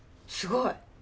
すごい。